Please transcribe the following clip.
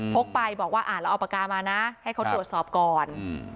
กไปบอกว่าเราเอาปากกามานะให้เขาตรวจสอบก่อน